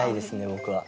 僕は。